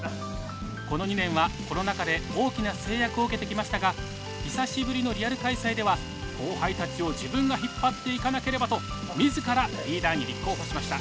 この２年はコロナ禍で大きな制約を受けてきましたが久しぶりのリアル開催では後輩たちを自分が引っ張っていかなければと自らリーダーに立候補しました。